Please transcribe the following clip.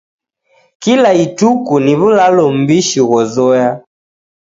Kila ituku ni w'ulalo mbishi ghozoya.